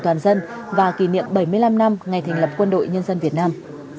toàn dân và kỷ niệm bảy mươi năm năm ngày thành lập quân đội nhân dân việt nam